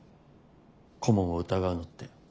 顧問を疑うのって。